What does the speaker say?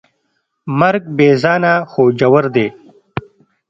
مرګ بېځانه خو ژور دی.